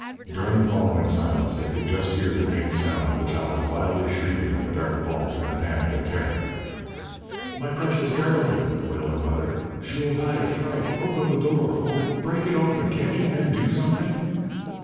During the following silence they could just hear the faint sound of the child wildly shrieking in the dark vault in a panic of terror. "My precious darling!" wailed the mother. "She will die of fright! Open the door! Oh, break it open! Can't you men do something?"